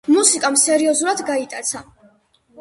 მუსიკამ სერიოზულად გაიტაცა.